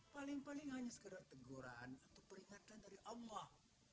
paling paling hanya sekedar teguran atau peringatan dari allah